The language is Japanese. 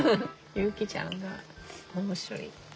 ゆきちゃんが面白い。